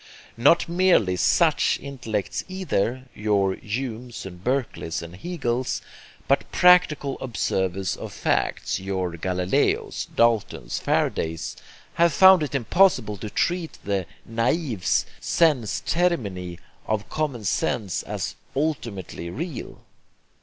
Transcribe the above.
Not merely SUCH intellects either your Humes and Berkeleys and Hegels; but practical observers of facts, your Galileos, Daltons, Faradays, have found it impossible to treat the NAIFS sense termini of common sense as ultimately real.